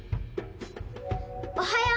おはよう！